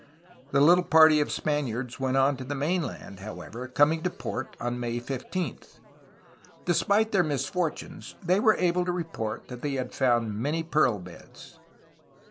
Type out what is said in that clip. The little party of Spaniards went on to the mainland, how ever, coming to port on May 15. Despite their misfortunes, they wereable to report that they had found many pearl beds.